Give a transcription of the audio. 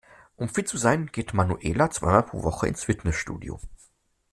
Um fit zu sein, geht Manuela zweimal pro Woche ins Fitnessstudio.